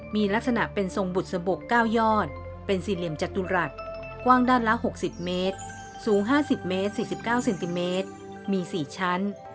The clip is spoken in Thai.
มีลักษณะเป็นทรงบุษบก๙ยอดเป็นสี่เหลี่ยมจตุรัสกว้างด้านละ๖๐เมตรสูง๕๐เมตร๔๙เซนติเมตรมี๔ชั้น